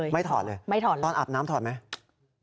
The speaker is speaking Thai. ไม่ถอดเลยตอนอาบน้ำถอดไหม